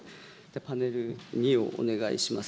パネル２をお願いします。